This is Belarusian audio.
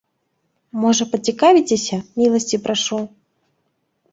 Можа, пацікавіцеся, міласці прашу.